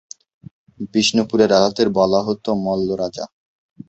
বিষ্ণুপুরের রাজাদের বলা হত মল্ল রাজা।